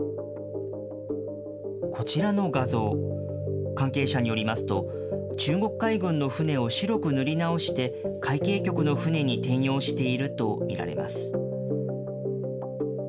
こちらの画像、関係者によりますと、中国海軍の船を白く塗り直して、海警局の船に転用していると見られます。